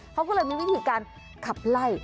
เขาก็เลยมีวิธีการขับไล่